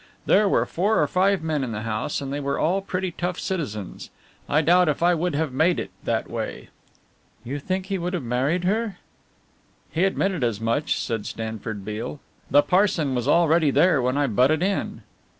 There were four or five men in the house and they were all pretty tough citizens I doubt if I would have made it that way." "You think he would have married her?" "He admitted as much," said Stanford Beale, "the parson was already there when I butted in."